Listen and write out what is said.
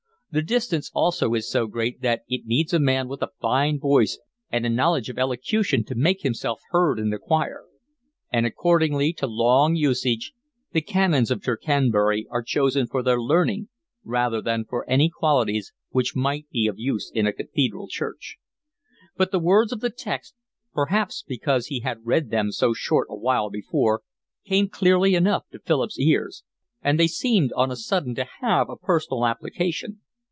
The distance also is so great that it needs a man with a fine voice and a knowledge of elocution to make himself heard in the choir; and according to long usage the Canons of Tercanbury are chosen for their learning rather than for any qualities which might be of use in a cathedral church. But the words of the text, perhaps because he had read them so short a while before, came clearly enough to Philip's ears, and they seemed on a sudden to have a personal application.